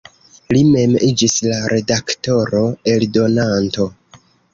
Li mem iĝis la redaktoro-eldonanto.